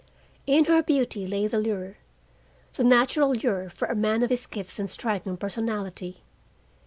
In her beauty lay the lure, the natural lure for a man of his gifts and striking personality.